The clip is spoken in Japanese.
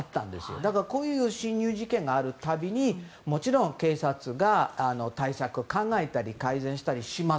だからこういう侵入事件がある度にもちろん警察が、対策を考えたり改善したりします。